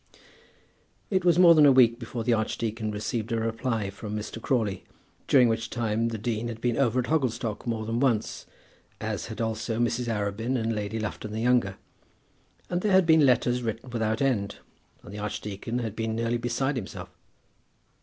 It was more than a week before the archdeacon received a reply from Mr. Crawley, during which time the dean had been over at Hogglestock more than once, as had also Mrs. Arabin and Lady Lufton the younger, and there had been letters written without end, and the archdeacon had been nearly beside himself.